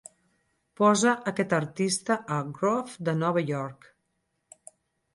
Posa aquest artista a Groove de Nova York.